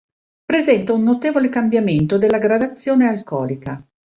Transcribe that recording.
Presenta un notevole cambiamento della gradazione alcolica.